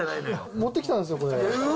持ってきたんですよ。